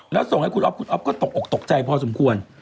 แล้วส่งให้คุณอ๊อฟคุณอ๊อฟก็ตกออกตกใจพอสมควร